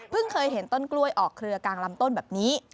เคยเห็นต้นกล้วยออกเครือกลางลำต้นแบบนี้